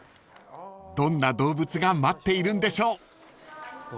［どんな動物が待っているんでしょう？］